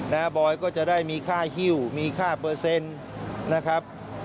บอยก็จะได้มีค่าฮิ้วมีค่าเปอร์เซ็นต์นะครับ